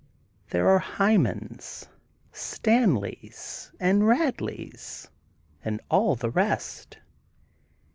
There are Hymans, Stanleys and Badleys, and all the rest.